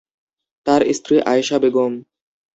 তার স্ত্রী আয়েশা বেগম।